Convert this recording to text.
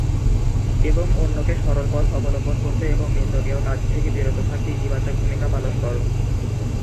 এবং অন্যকে সরল পথ অবলম্বন করতে এবং নিন্দনীয় কাজ থেকে বিরত থাকতে ইতিবাচক ভূমিকা পালন কর।